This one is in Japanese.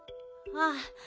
ああ。